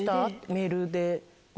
メールで「何？」